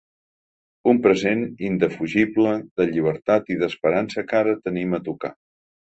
Un present, indefugible, de llibertat i d’esperança que ara tenim a tocar.